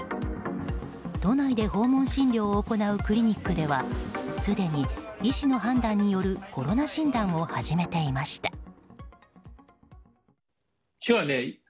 都内で訪問診療を行うクリニックではすでに医師の判断によるコロナ診断を始めていました。